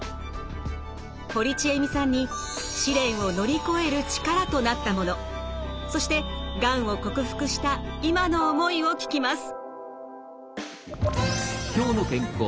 堀ちえみさんに試練を乗り越える力となったものそしてがんを克服した今の思いを聞きます。